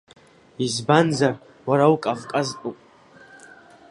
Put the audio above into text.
Избанзар, уара укавказтәуп.